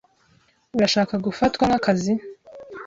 Urashaka gufatwa nkakazi?